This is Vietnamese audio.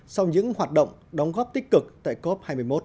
sau những hoạt động đóng góp tích cực tại cop hai mươi một